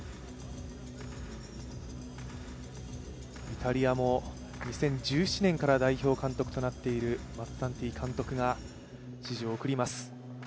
イタリアも２０１７年から代表監督となっているマッツァンティ監督が指示を送ります。